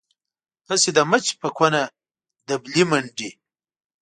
هسې د مچ په کونه ډبلی منډي.